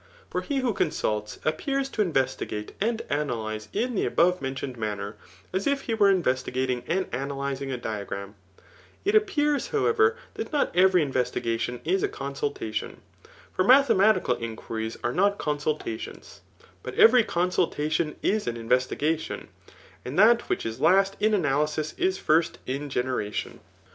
For he who consrito* appeals to investigate and analyze in the aboTe <iM» liooed manner, as if he were invesdgating and analysfa^^ a diagram/ It appears, however, dnt not every inves* ligation is a consulution ; for mathematical inquiries ait net coasukations ; but every consultation is an invastiga^ ti0n ; and that which is Jast in analysis is first in genn»* tfaa.